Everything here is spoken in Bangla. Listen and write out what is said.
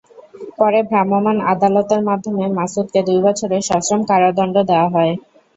পরে ভ্রাম্যমাণ আদালতের মাধ্যমে মাসুদকে দুই বছরের সশ্রম কারাদণ্ড দেওয়া হয়।